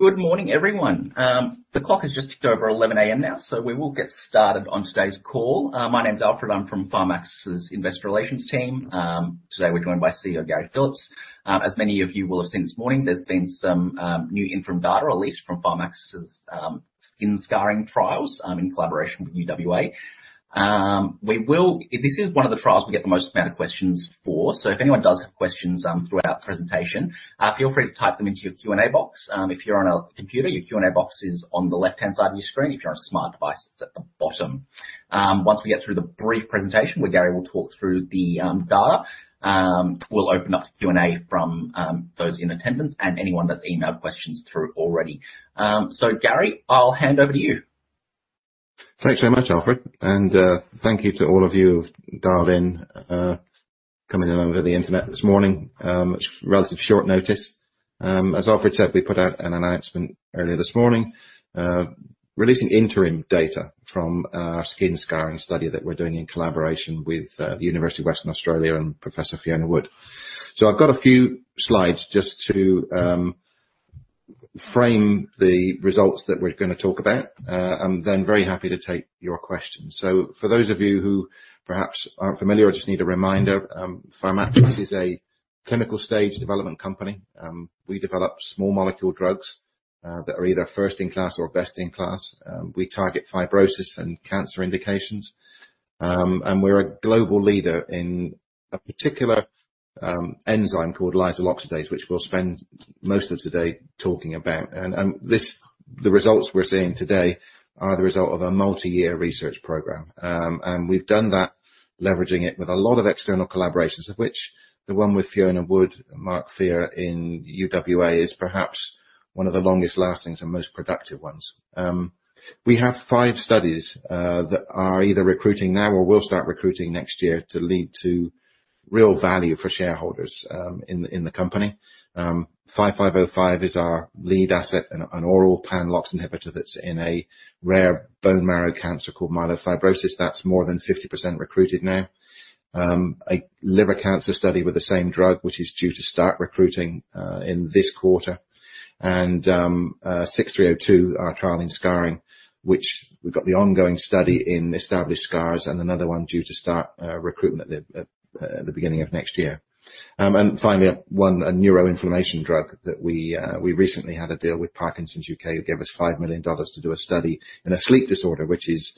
Good morning, everyone. The clock has just ticked over 11:00 A.M. now, we will get started on today's call. My name's Alfred. I'm from Syntara's Investor Relations team. Today we're joined by CEO Gary Phillips. As many of you will have seen this morning, there's been some new interim data released from Syntara's skin scarring trials in collaboration with UWA. This is one of the trials we get the most amount of questions for. If anyone does have questions throughout the presentation, feel free to type them into your Q&A box. If you're on a computer, your Q&A box is on the left-hand side of your screen. If you're on a smart device, it's at the bottom. Once we get through the brief presentation, where Gary will talk through the data, we'll open up to Q&A from those in attendance and anyone that's emailed questions through already. Gary, I'll hand over to you. Thanks very much, Alfred. Thank you to all of you who've dialed in, coming in over the internet this morning, at relatively short notice. As Alfred said, we put out an announcement earlier this morning, releasing interim data from our skin scarring study that we're doing in collaboration with the University of Western Australia and Professor Fiona Wood. I've got a few slides just to frame the results that we're gonna talk about, and then very happy to take your questions. For those of you who perhaps aren't familiar or just need a reminder, Syntara is a clinical-stage development company. We develop small molecule drugs that are either first-in-class or best-in-class. We target fibrosis and cancer indications. We're a global leader in a particular enzyme called lysyl oxidase, which we'll spend most of today talking about. The results we're seeing today are the result of a multi-year research program. We've done that leveraging it with a lot of external collaborations, of which the one with Fiona Wood and Mark Fear in UWA is perhaps one of the longest lasting and most productive ones. We have five studies that are either recruiting now or will start recruiting next year to lead to real value for shareholders in the company. SNT-5505 is our lead asset, an oral pan-LOX inhibitor that's in a rare bone marrow cancer called myelofibrosis. That's more than 50% recruited now. A liver cancer study with the same drug, which is due to start recruiting in this quarter. 6302, our trial in scarring, which we've got the ongoing study in established scars and another one due to start recruitment at the beginning of next year. Finally, a neuroinflammation drug that we recently had a deal with Parkinson's U.K., who gave us 5 million dollars to do a study in a sleep disorder, which is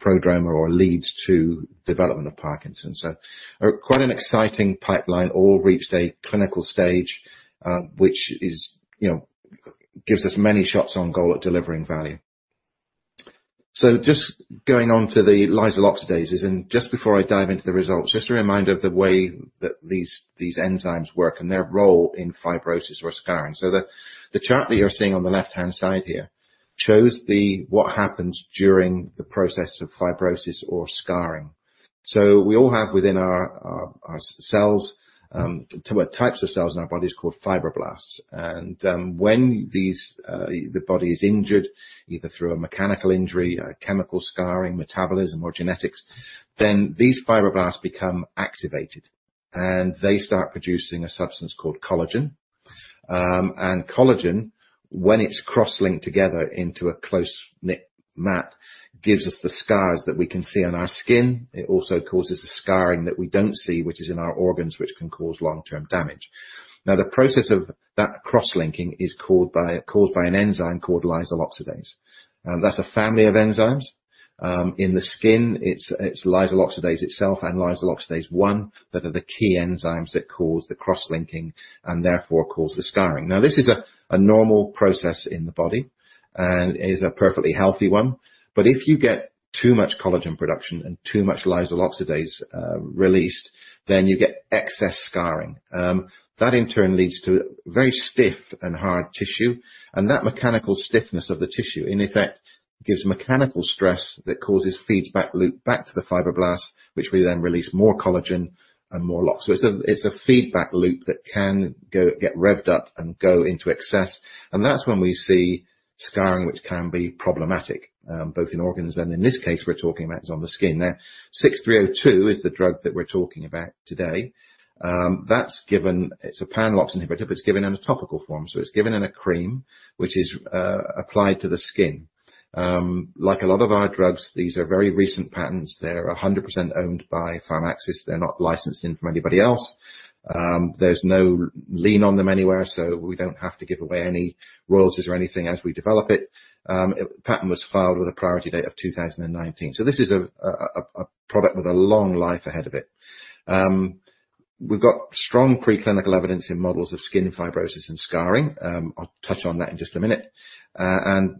prodrome or leads to development of Parkinson's. Quite an exciting pipeline, all reached a clinical stage, which, you know, gives us many shots on goal at delivering value. Just going on to the lysyl oxidase, and just before I dive into the results, just a reminder of the way that these enzymes work and their role in fibrosis or scarring. The chart that you're seeing on the left-hand side here shows what happens during the process of fibrosis or scarring. We all have within our cells types of cells in our bodies called fibroblasts. When these the body is injured, either through a mechanical injury, a chemical scarring, metabolism, or genetics, then these fibroblasts become activated and they start producing a substance called collagen. Collagen, when it's cross-linked together into a close-knit mat, gives us the scars that we can see on our skin. It also causes the scarring that we don't see, which is in our organs, which can cause long-term damage. Now, the process of that cross-linking is called by an enzyme called lysyl oxidase. That's a family of enzymes. In the skin, it's lysyl oxidase itself and lysyl oxidase one that are the key enzymes that cause the cross-linking and therefore cause the scarring. This is a normal process in the body and is a perfectly healthy one. But if you get too much collagen production and too much lysyl oxidase released, then you get excess scarring. That in turn leads to very stiff and hard tissue. And that mechanical stiffness of the tissue, in effect, gives mechanical stress that causes feedback loop back to the fibroblast, which will then release more collagen and more LOX. It's a feedback loop that can get revved up and go into excess. That's when we see scarring, which can be problematic, both in organs and in this case we're talking about is on the skin. Now, 6302 is the drug that we're talking about today. That's given, it's a pan-LOX inhibitor, but it's given in a topical form. It's given in a cream which is applied to the skin. Like a lot of our drugs, these are very recent patents. They're 100% owned by Pharmaxis. They're not licensed in from anybody else. There's no lien on them anywhere, so we don't have to give away any royalties or anything as we develop it. A patent was filed with a priority date of 2019. This is a product with a long life ahead of it. We've got strong preclinical evidence in models of skin fibrosis and scarring. I'll touch on that in just a minute.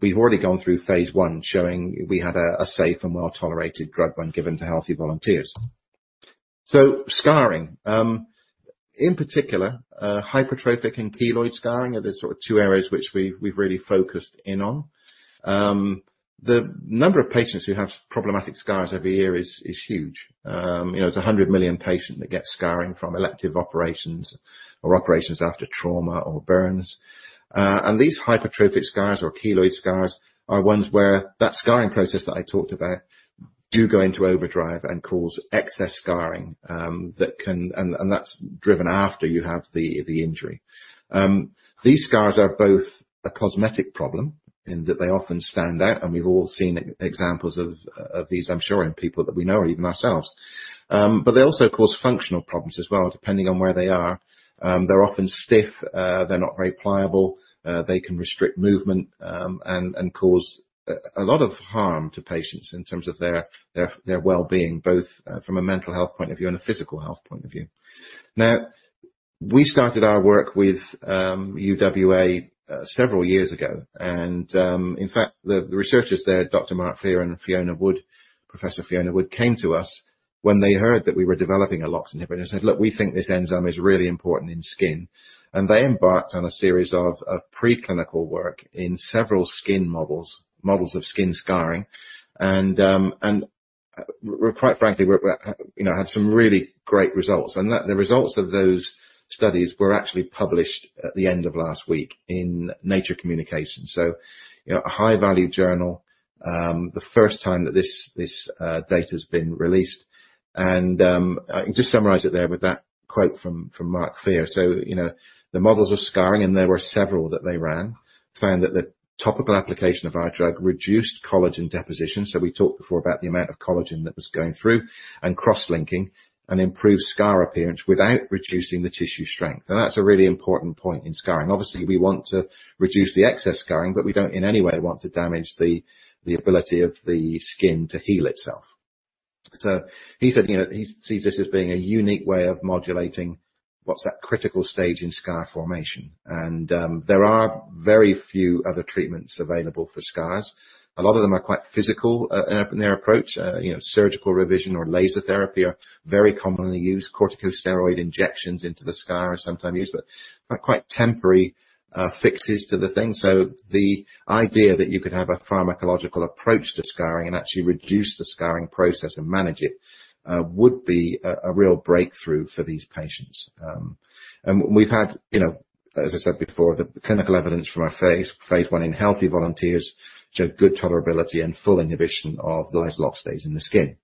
We've already gone through Phase I, showing we had a safe and well-tolerated drug when given to healthy volunteers. Scarring, in particular, hypertrophic and keloid scarring are the sort of two areas which we've really focused in on. The number of patients who have problematic scars every year is huge. You know, it's 100 million patient that gets scarring from elective operations or operations after trauma or burns. These hypertrophic scars or keloid scars are ones where that scarring process that I talked about go into overdrive and cause excess scarring, that can and that's driven after you have the injury. These scars are both a cosmetic problem in that they often stand out, and we've all seen examples of these, I'm sure, in people that we know or even ourselves. They also cause functional problems as well, depending on where they are. They're often stiff, they're not very pliable. They can restrict movement, and cause a lot of harm to patients in terms of their wellbeing, both from a mental health point of view and a physical health point of view. Now, we started our work with UWA several years ago, and in fact, the researchers there, Dr.Mark Fear and Professor Fiona Wood came to us when they heard that we were developing a LOX inhibitor and said, "Look, we think this enzyme is really important in skin." They embarked on a series of preclinical work in several skin models of skin scarring. We were quite frankly, you know, we had some really great results. The results of those studies were actually published at the end of last week in Nature Communications. You know, a high value journal, the first time that this data's been released. I can just summarize it there with that quote from Dr. Mark Fear. You know, the models of scarring, and there were several that they ran, found that the topical application of our drug reduced collagen deposition. We talked before about the amount of collagen that was going through and cross-linking, and improved scar appearance without reducing the tissue strength. That's a really important point in scarring. Obviously, we want to reduce the excess scarring, but we don't in any way want to damage the ability of the skin to heal itself. He said, you know, he sees this as being a unique way of modulating what's that critical stage in scar formation. There are very few other treatments available for scars. A lot of them are quite physical in their approach. You know, surgical revision or laser therapy are very commonly used. Corticosteroid injections into the scar are sometimes used, but are quite temporary fixes to the thing. The idea that you could have a pharmacological approach to scarring and actually reduce the scarring process and manage it would be a real breakthrough for these patients. We've had, you know, as I said before, the clinical evidence from our phase one in healthy volunteers showed good tolerability and full inhibition of lysyl oxidase in the skin.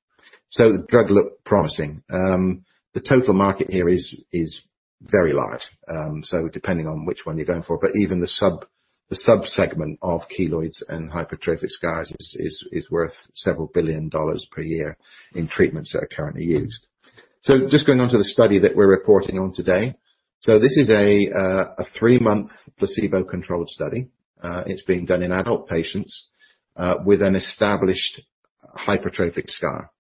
The drug looked promising. The total market here is very large. Depending on which one you're going for, but even the subsegment of keloids and hypertrophic scars is worth several billion dollars per year in treatments that are currently used. Just going on to the study that we're reporting on today. This is a three-month placebo-controlled study. It's being done in adult patients with an established hypertrophic scar.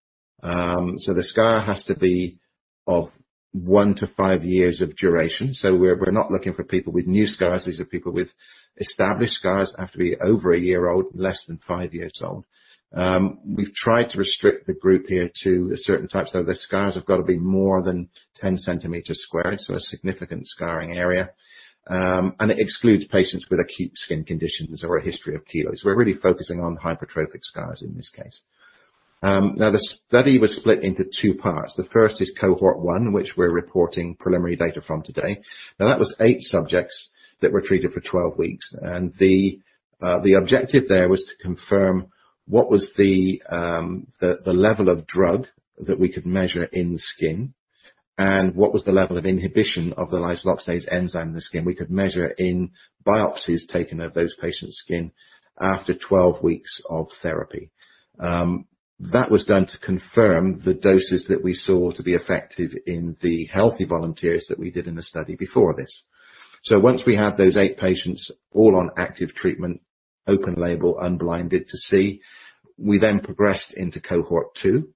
The scar has to be of one-five years of duration. We're not looking for people with new scars. These are people with established scars, have to be over one year old, less than five years old. We've tried to restrict the group here to certain types, so the scars have got to be more than 10 cm², so a significant scarring area. It excludes patients with acute skin conditions or a history of keloids. We're really focusing on hypertrophic scars in this case. Now the study was split into two parts. The first is Cohort 1, which we're reporting preliminary data from today. Now, that was eight subjects that were treated for 12 weeks. The objective there was to confirm what was the level of drug that we could measure in the skin, and what was the level of inhibition of the lysyl oxidase enzyme in the skin we could measure in biopsies taken of those patients' skin after 12 weeks of therapy. That was done to confirm the doses that we saw to be effective in the healthy volunteers that we did in the study before this. Once we had those eight patients all on active treatment, open label, unblinded to see, we then progressed into Cohort 2.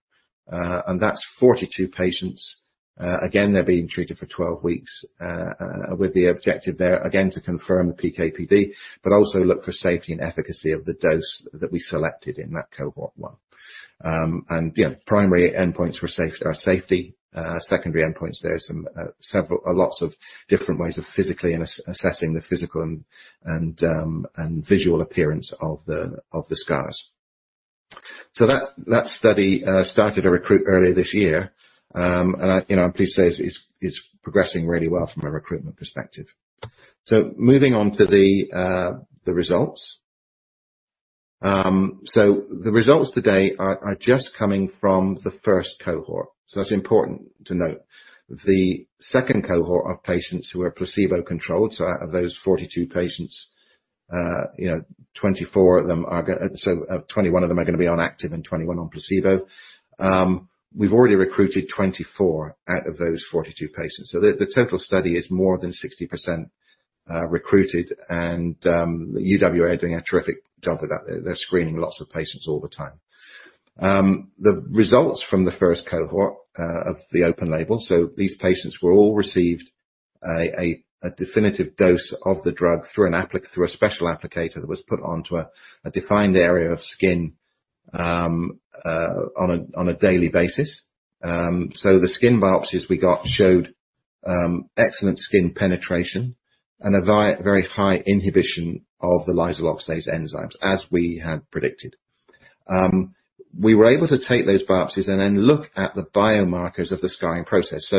That's 42 patients. Again, they're being treated for 12 weeks, with the objective there, again, to confirm the PK/PD, but also look for safety and efficacy of the dose that we selected in that Cohort 1. You know, primary endpoints were safety. Secondary endpoints, there are some several lots of different ways of physically and assessing the physical and visual appearance of the scars. That study started to recruit earlier this year. I, you know, I'm pleased to say is progressing really well from a recruitment perspective. Moving on to the results. The results today are just coming from the first cohort. That's important to note. The second cohort of patients who are placebo-controlled, so out of those 42 patients, 21 of them are gonna be on active and 21 on placebo. We've already recruited 24 out of those 42 patients. The total study is more than 60% recruited and UWA are doing a terrific job with that. They're screening lots of patients all the time. The results from the first cohort of the open label, these patients all received a definitive dose of the drug through a special applicator that was put onto a defined area of skin on a daily basis. The skin biopsies we got showed excellent skin penetration and a very high inhibition of the lysyl oxidase enzymes, as we had predicted. We were able to take those biopsies and then look at the biomarkers of the scarring process.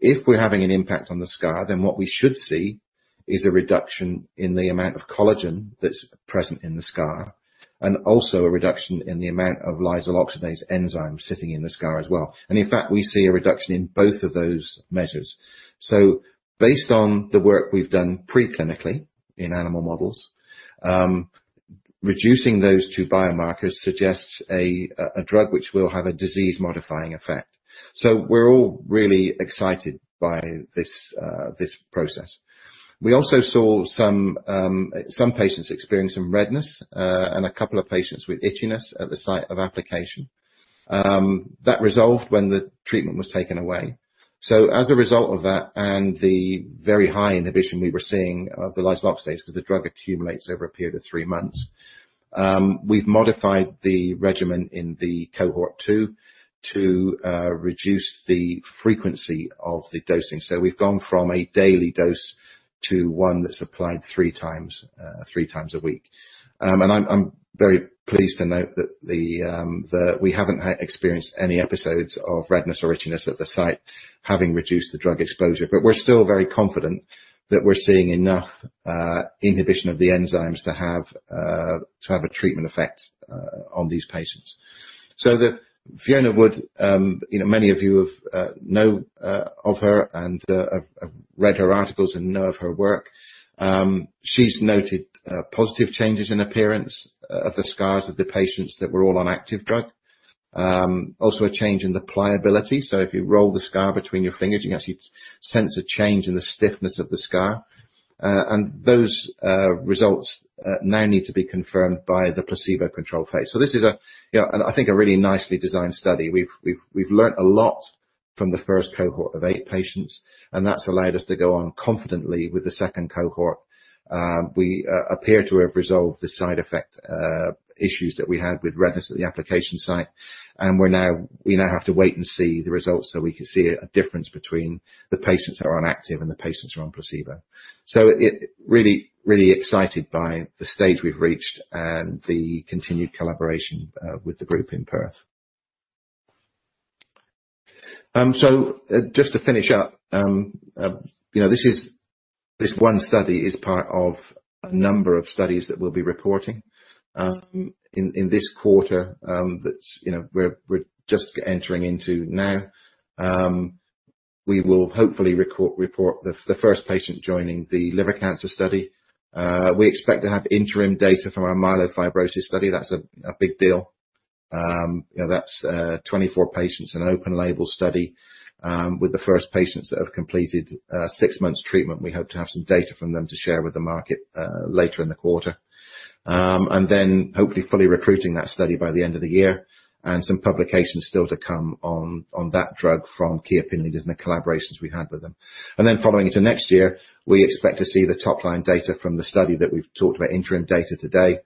If we're having an impact on the scar, then what we should see is a reduction in the amount of collagen that's present in the scar, and also a reduction in the amount of lysyl oxidase enzyme sitting in the scar as well. In fact, we see a reduction in both of those measures. Based on the work we've done preclinically in animal models, reducing those two biomarkers suggests a drug which will have a disease-modifying effect. We're all really excited by this process. We also saw some patients experience some redness, and a couple of patients with itchiness at the site of application, that resolved when the treatment was taken away. As a result of that, and the very high inhibition we were seeing of the lysyl oxidase because the drug accumulates over a period of three months, we've modified the regimen in the Cohort 2 to reduce the frequency of the dosing. We've gone from a daily dose to one that's applied 3x a week. I'm very pleased to note that we haven't experienced any episodes of redness or itchiness at the site having reduced the drug exposure. We're still very confident that we're seeing enough inhibition of the enzymes to have a treatment effect on these patients. Professor Fiona Wood, you know, many of you have known of her and have read her articles and know of her work. She's noted positive changes in appearance of the scars of the patients that were all on active drug. Also a change in the pliability. If you roll the scar between your fingers, you can actually sense a change in the stiffness of the scar. Those results now need to be confirmed by the placebo-controlled phase. This is a, you know, and I think a really nicely designed study. We've learned a lot from the first cohort of eight patients, and that's allowed us to go on confidently with the second cohort. We appear to have resolved the side effect issues that we had with redness at the application site, and we now have to wait and see the results so we can see a difference between the patients that are on active and the patients that are on placebo. We're really excited by the stage we've reached and the continued collaboration with the group in Perth. Just to finish up, you know, this is this one study is part of a number of studies that we'll be reporting in this quarter, that's you know we're just entering into now. We will hopefully report the first patient joining the liver cancer study. We expect to have interim data from our myelofibrosis study. That's a big deal. You know, that's 24 patients in an open-label study with the first patients that have completed six months treatment. We hope to have some data from them to share with the market later in the quarter. Hopefully fully recruiting that study by the end of the year. Some publications still to come on that drug from key opinion leaders and the collaborations we had with them. Following into next year, we expect to see the top-line data from the study that we've talked about, interim data to date,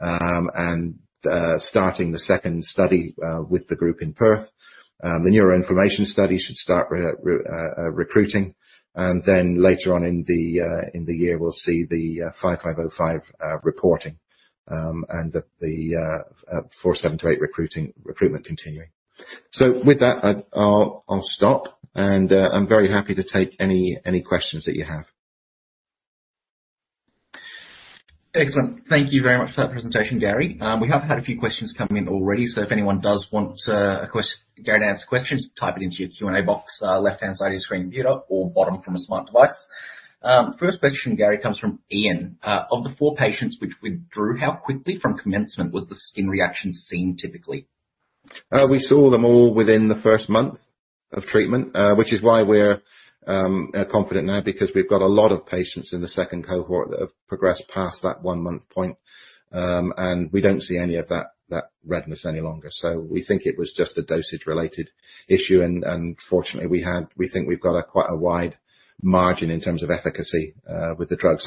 and starting the second study with the group in Perth. The neuroinflammation study should start recruiting. Later on in the year, we'll see the 5505 reporting, and the 4728 recruitment continuing. With that, I'll stop, and I'm very happy to take any questions that you have. Excellent. Thank you very much for that presentation, Gary. We have had a few questions come in already, so if anyone does want Gary to answer your questions, type it into your Q&A box, left-hand side of your screen, computer, or bottom from a smart device. First question, Gary, comes from Ian. "Of the four patients which withdrew, how quickly from commencement was the skin reaction seen typically? We saw them all within the first month of treatment, which is why we're confident now because we've got a lot of patients in the second cohort that have progressed past that one-month point. We don't see any of that redness any longer. We think it was just a dosage-related issue, and fortunately, we think we've got a quite wide margin in terms of efficacy with the drug.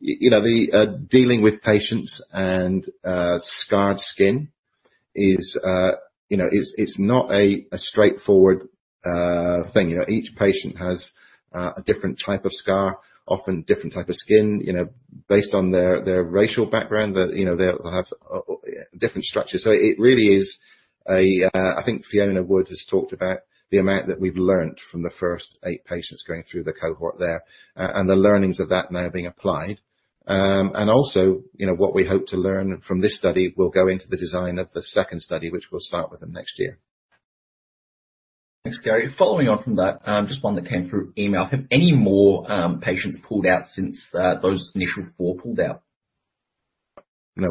You know, dealing with patients and scarred skin is you know is it's not a straightforward thing. You know, each patient has a different type of scar, often different type of skin, you know, based on their racial background that, you know, they'll have different structures. It really is a I think Fiona Wood has talked about the amount that we've learned from the first eight patients going through the cohort there, and the learnings of that now being applied. Also, you know, what we hope to learn from this study will go into the design of the second study, which we'll start with them next year. Thanks, Gary. Following on from that, just one that came through email. Have any more patients pulled out since those initial four pulled out? I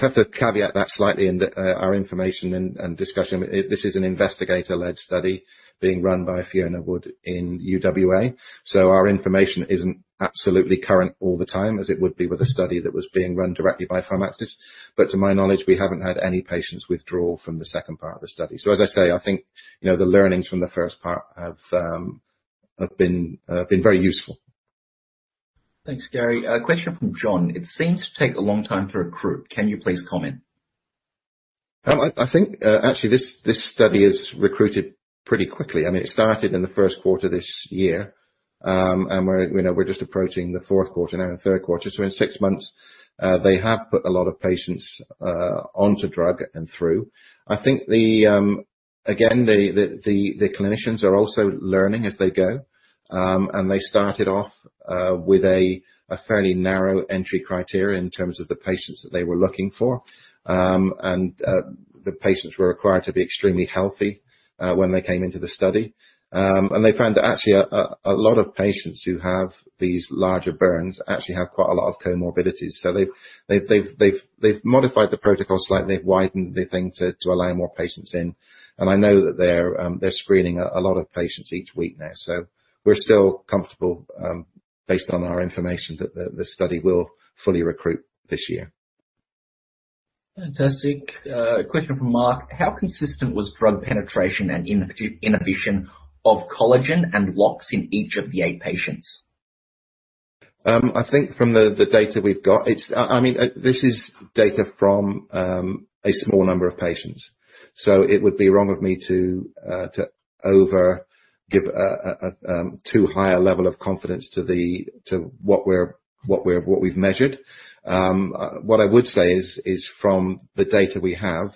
have to caveat that slightly in that our information and discussion. This is an investigator-led study being run by Fiona Wood in UWA. Our information isn't absolutely current all the time as it would be with a study that was being run directly by Pharmaxis. To my knowledge, we haven't had any patients withdraw from the second part of the study. As I say, I think you know the learnings from the first part have been very useful. Thanks, Gary. A question from John: It seems to take a long time to recruit. Can you please comment? I think actually this study recruited pretty quickly. I mean, it started in the first quarter this year. We're, you know, just approaching the fourth quarter now and third quarter. In six months, they have put a lot of patients onto drug and through. I think the clinicians are also learning as they go. They started off with a fairly narrow entry criteria in terms of the patients that they were looking for. The patients were required to be extremely healthy when they came into the study. They found that actually a lot of patients who have these larger burns actually have quite a lot of comorbidities. They've modified the protocol slightly, widened the thing to allow more patients in, and I know that they're screening a lot of patients each week now. We're still comfortable based on our information that the study will fully recruit this year. Fantastic. A question from Mark. How consistent was drug penetration and inhibition of collagen and LOX in each of the 8 patients? I think from the data we've got, I mean, this is data from a small number of patients, so it would be wrong of me to over give a too high a level of confidence to what we've measured. What I would say is from the data we have,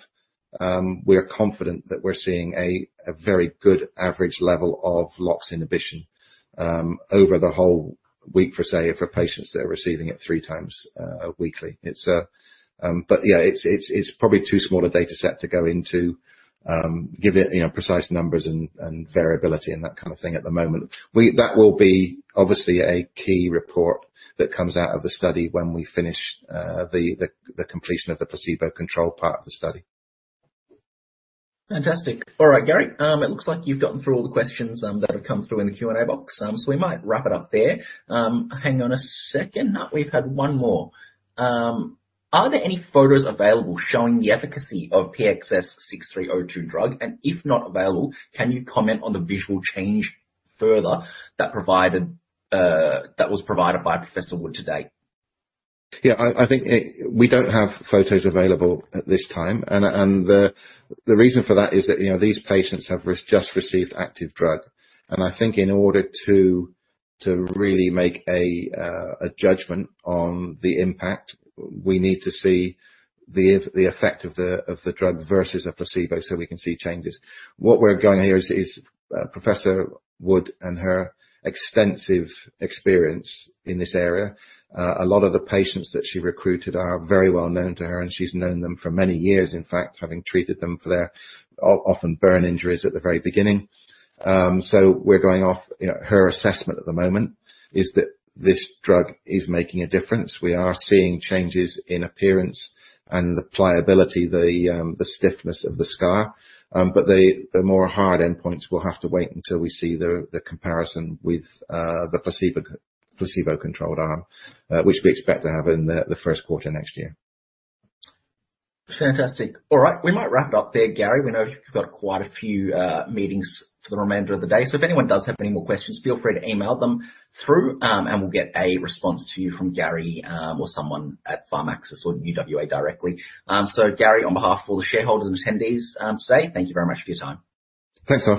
we are confident that we're seeing a very good average level of LOX inhibition over the whole week for, say, patients that are receiving it three times weekly. Yeah, it's probably too small a data set to go into give it, you know, precise numbers and variability and that kind of thing at the moment. That will be obviously a key report that comes out of the study when we finish the completion of the placebo control part of the study. Fantastic. All right, Gary, it looks like you've gotten through all the questions that have come through in the Q&A box, so we might wrap it up there. Hang on a second. We've had one more. Are there any photos available showing the efficacy of PXS-6302 drug? If not available, can you comment on the visual change further that was provided by Professor Wood today? Yeah. I think we don't have photos available at this time. The reason for that is that, you know, these patients have just received active drug. I think in order to really make a judgment on the impact, we need to see the effect of the drug versus a placebo so we can see changes. What we're going on here is Professor Fiona Wood and her extensive experience in this area. A lot of the patients that she recruited are very well known to her, and she's known them for many years, in fact, having treated them for their often burn injuries at the very beginning. We're going off, you know, her assessment at the moment is that this drug is making a difference. We are seeing changes in appearance and the pliability, the stiffness of the scar. The more hard endpoints will have to wait until we see the comparison with the placebo-controlled arm, which we expect to have in the first quarter next year. Fantastic. All right. We might wrap it up there, Gary. We know you've got quite a few meetings for the remainder of the day. If anyone does have any more questions, feel free to email them through, and we'll get a response to you from Gary or someone at Pharmaxis or UWA directly. Gary, on behalf of all the shareholders and attendees today, thank you very much for your time.